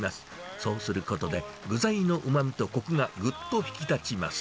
そうすることで、具材のうまみとこくがぐっと引き立ちます。